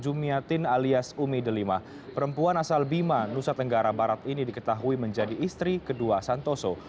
jumiatin alias umi delima perempuan asal bima nusa tenggara barat ini diketahui menjadi istri kedua santoso